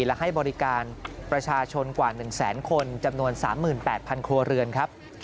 และให้บริการประชาชนกว่า๑แสนคนจำนวน๓๘๐๐ครัวเรือนครับ